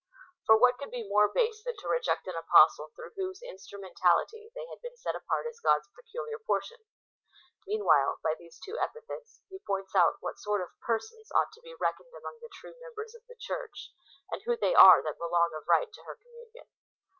For what could be more base than to reject an Apostle through whose instru mentality they had been set apart as God's peculiar portion. Meanwhile, by these two epithets, he points out what sort of persons ought to be reckoned among the tiiie members of the Church, and who they are that belong of right to her communion.